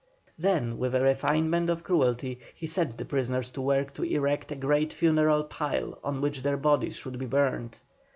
Then with a refinement of cruelty, he set the prisoners to work to erect a great funeral pile on which their bodies should be burned.